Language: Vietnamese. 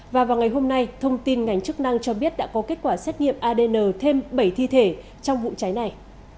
và vào ngày hôm nay thông tin ngành chức năng cho biết đã có kết quả xét nghiệm adn thêm bảy thi thể trong vụ cháy này